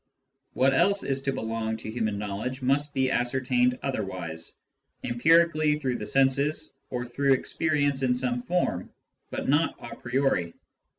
What else is to belong to human knowledge must be ascertained other wise — empirically, through the senses or through experience in some form, but not a priori.